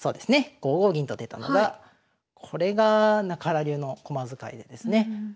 ５五銀と出たのがこれが中原流の駒使いでですね。